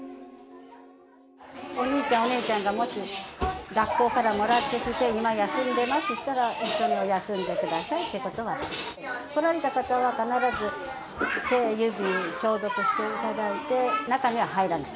お兄ちゃん、お姉ちゃんがもし学校からもらってきて、今休んでますって言ったら、一緒に休んでくださいってことは。来られた方は必ず手や指、消毒していただいて、中には入らない。